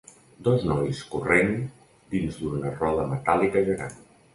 Dos nois corrent dins d'una roda metàl·lica gegant.